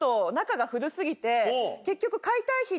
結局。